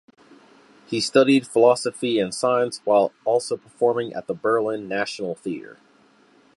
He studied philosophy and science while also performing at the Berlin National Theater.